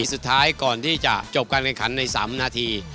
สุดท้ายก่อนที่จะจบการแข่งขันใน๓นาที